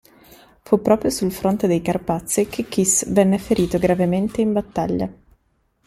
Fu proprio sul fronte dei Carpazi che Kiss venne ferito gravemente in battaglia.